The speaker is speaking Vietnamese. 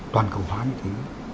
toàn cầu hóa như thế